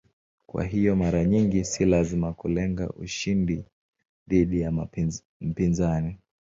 Kwa hiyo mara nyingi si lazima kulenga ushindi dhidi ya mpinzani.